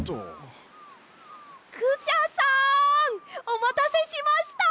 おまたせしました！